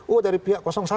oh dari pihak satu